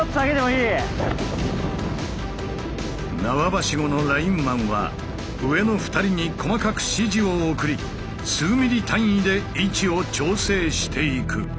縄ばしごのラインマンは上の２人に細かく指示を送り数ミリ単位で位置を調整していく。